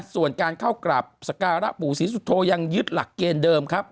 ส่วนการเข้ากราบสการะปู่ศรีสุโธยังยึดหลักเกณฑ์เดิมครับ